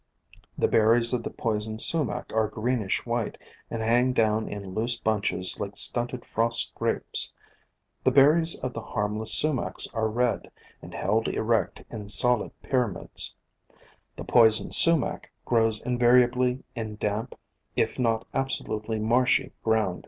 The ber ries of the Poison Su mac are greenish white and hang down in loose bunches like stunted frost grapes. The berries of the harmless Sumacs are red, and held erect in solid pyr amids. The Poison Sumac grows invariably in damp, if not absolutely marshy ground.